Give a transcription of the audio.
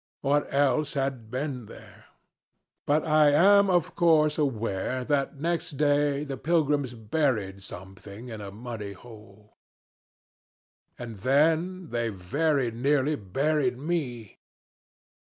What else had been there? But I am of course aware that next day the pilgrims buried something in a muddy hole. "And then they very nearly buried me.